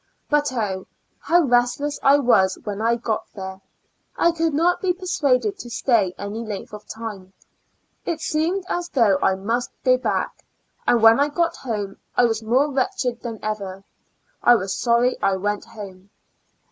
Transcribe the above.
But O, how restless I was when I got there ; I could not be per suaded to stay any length of time ; it seemed as though I must go back ; and when I got home I was more wretched than ever. I was sorry I went home.